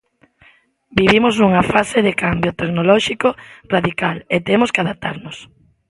Vivimos nunha fase de cambio tecnolóxico radical e temos que adaptarnos.